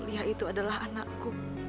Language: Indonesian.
lia itu adalah anakku